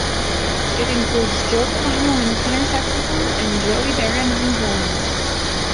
It includes Joe Lovano on tenor saxophone and Joey Baron on drums.